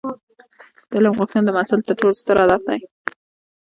د علم غوښتنه د محصل تر ټولو ستر هدف دی.